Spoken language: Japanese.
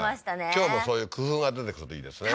今日もそういう工夫が出てくるといいですね